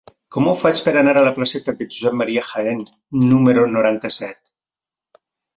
Com ho faig per anar a la placeta de Josep Ma. Jaén número noranta-set?